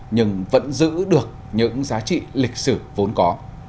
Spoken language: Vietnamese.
nhưng vẫn giữ được những giá trị lịch sử vốn có